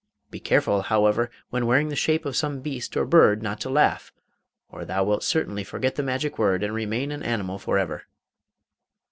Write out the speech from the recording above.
Be careful, however, when wearing the shape of some beast or bird, not to laugh, or thou wilt certainly forget the magic word and remain an animal for ever.